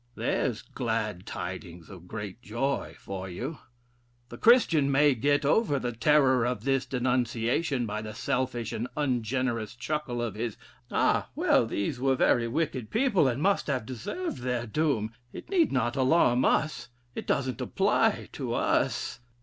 There's 'glad tidings of great joy' for you! The Christian may get, over the terror of this denunciation by the selfish and ungenerous chuckle of his 'Ah! well, these were very wicked people, and must have deserved their doom; it need not alarm us: it doesn't apply to us.'